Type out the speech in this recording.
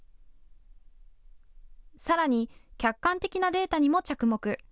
さらに、客観的なデータにも着目。